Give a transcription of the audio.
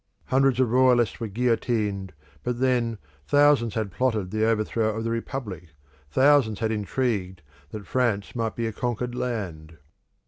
Hundreds of royalists were guillotined, but then, thousands had plotted the overthrow of the Republic, thousands had intrigued that France might be a conquered land.